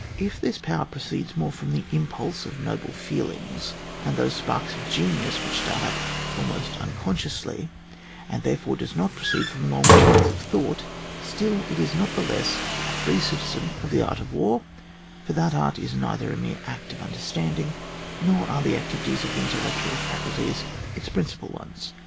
If this power proceeds more from the impulse of noble feelings and those sparks of genius which start up almost unconsciously, and there fore does not proceed from long chains of thought, still it is not the less a free citizen of the art of war, for that art is neither a mere act of the understanding, nor are the activities of the intellectual faculties its principal ones.